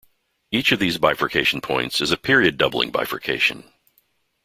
Each of these bifurcation points is a period-doubling bifurcation.